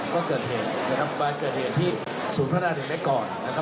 เป็นพื้นส่วนตัวนะครับ